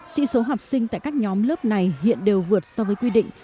sĩ số học sinh tại các nhóm lớp này hiện đều vượt so với quy định